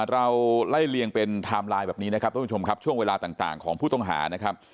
เราไล่เลี่ยงเป็นไทม์ไลน์แบบนี้นะครับท่านผู้ชมครับช่วงเวลาต่างของผู้ต้องหานะครับ